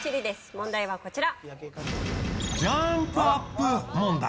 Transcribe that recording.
問題はこちら。